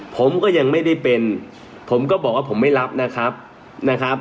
ผมก็ยังไม่ได้เป็นผมก็บอกว่าผมไม่รับนะครับนะครับ